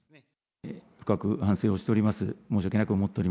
深く反省をしております。